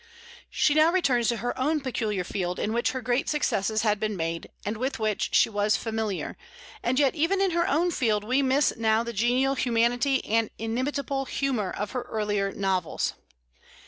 She now returns to her own peculiar field, in which her great successes had been made, and with which she was familiar; and yet even in her own field we miss now the genial humanity and inimitable humor of her earlier novels.